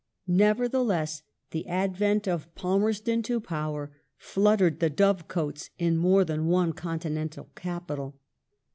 Nevertheless, the advent of Palmerston to power fluttered the dovecotes in more than one continental capital.